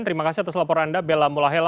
terima kasih atas laporan anda bella mulahela